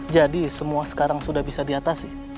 jadi semua sekarang sudah bisa diatasi